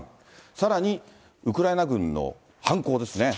さらに、ウクライナ軍の反攻ですね。